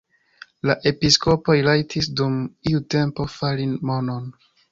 La episkopoj rajtis dum iu tempo fari monon.